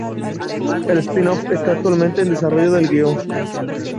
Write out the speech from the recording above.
El spin-off está actualmente en desarrollo del guion.